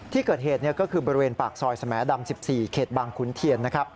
ที่เกิดเหตุก็คือบริเวณปากซอยสมดำ๑๔เขตบางขุนเทียน